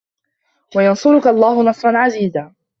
وَيَنصُرَكَ اللَّهُ نَصرًا عَزيزًا